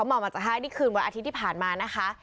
หมอมาจากห้างนี่คืนวันอาทิตย์ที่ผ่านมานะคะ